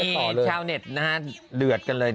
มีสาวเน็ตเดือดกันเลย